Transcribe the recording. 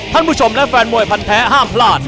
ท่านผู้ชมและแฟนมวยพันแท้ห้ามพลาด